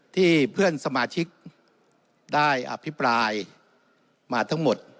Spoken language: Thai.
เพื่อนสมาชิกได้อภิปรายมาทั้งหมด